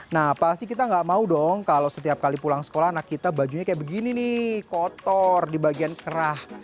nah pasti kita nggak mau dong kalau setiap kali pulang sekolah anak kita bajunya kayak begini nih kotor di bagian kerah